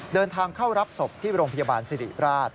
เดินทางเข้ารับศพที่โรงพยาบาลสิริราช